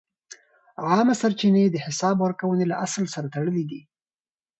عامه سرچینې د حساب ورکونې له اصل سره تړلې دي.